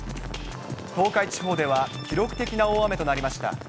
東海地方では記録的な大雨となりました。